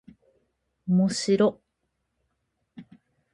おもしろっ